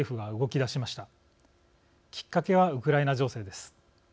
きっかけはウクライナ情勢です。